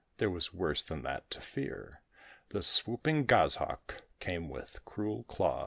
there was worse than that to fear: The swooping Goshawk came with cruel claws.